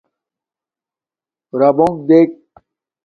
رَبݸݣ دݵک.